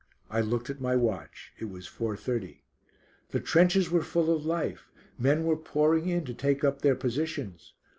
I looked at my watch. It was 4.30. The trenches were full of life. Men were pouring in to take up their positions.